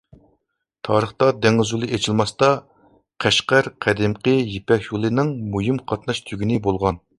تارىختا دېڭىز يولى ئېچىلماستا، قەشقەر قەدىمكى «يىپەك يولى» نىڭ مۇھىم قاتناش تۈگۈنى بولغان.